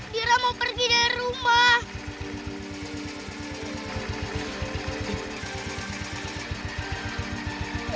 biarlah mau pergi dari rumah